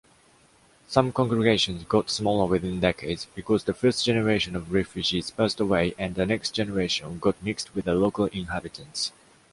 Some congregations got smaller within decades, because the first generation of refugees passed away and the next generation got mixed with the local inhabitants.